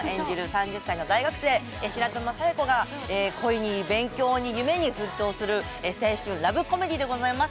３０歳の大学生白玉佐弥子が恋に勉強に夢に奮闘する青春ラブコメディーでございます